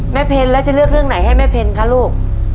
เพลแล้วจะเลือกเรื่องไหนให้แม่เพนคะลูก